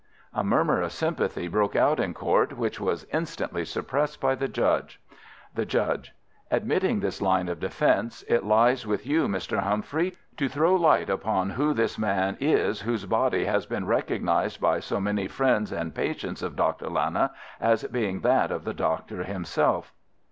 A murmur of sympathy broke out in court, which was instantly suppressed by the Judge. The Judge: Admitting this line of defence, it lies with you, Mr. Humphrey, to throw a light upon who this man is whose body has been recognised by so many friends and patients of Dr. Lana as being that of the doctor himself.